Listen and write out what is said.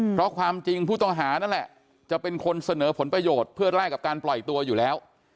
เพราะความจริงผู้ต้องหานั่นแหละจะเป็นคนเสนอผลประโยชน์เพื่อแลกกับการปล่อยตัวอยู่แล้ว